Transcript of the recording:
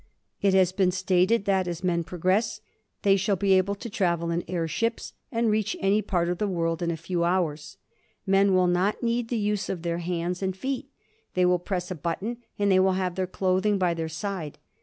It has been stated that, as men progress, they shall be able to travel in airships and reach any part of the world in a few hours. Men will not need the use of their hands and feet. They will press a button, and they will have their clothing by their side.